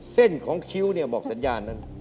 เส้นของคิ้วเนี่ยบอกสัญญาณนั้น